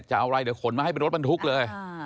จะเอาอะไรเดี๋ยวขนมาให้เป็นรถบรรทุกเลย